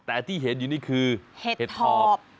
แต่ที่เห็นอยู่นี่คือเห็ดหอบ